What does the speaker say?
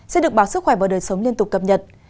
sẽ được báo sức khỏe và đời sống liên tục cập nhật